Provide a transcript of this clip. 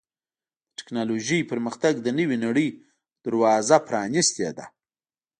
د ټکنالوجۍ پرمختګ د نوې نړۍ دروازه پرانستې ده.